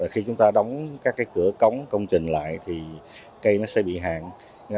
khi chúng ta đóng các cửa cống công trình lại cây sẽ bị hạn